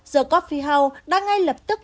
the coffee house đã ngay lập tức